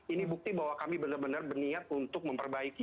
ini bukti bahwa kami benar benar berniat untuk memperbaiki